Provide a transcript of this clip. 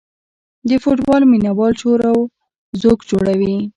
د فوټبال مینه وال شور او ځوږ جوړوي.